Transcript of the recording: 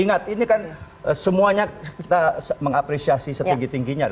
ingat ini kan semuanya kita mengapresiasi setinggi tingginya